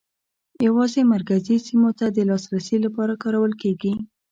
یوازې مرکزي سیمو ته د لاسرسي لپاره کارول کېږي.